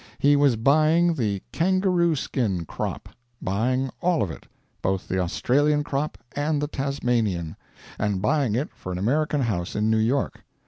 He was buying the kangaroo skin crop; buying all of it, both the Australian crop and the Tasmanian; and buying it for an American house in New York.